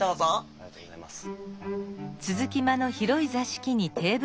ありがとうございます。